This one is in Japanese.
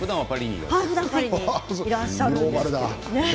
ふだんはパリにいらっしゃるんです。